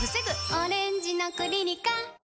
「オレンジのクリニカ」